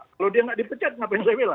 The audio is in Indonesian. kalau dia tidak dipecat kenapa saya bela